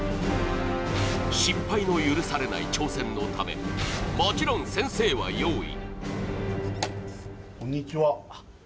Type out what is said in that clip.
失敗の許されない挑戦のため、もちろん先生は用意。